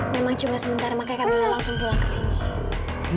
memang cuma sementara makanya kamila langsung pulang ke sini